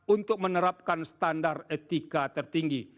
untuk menerapkan standar etika tertinggi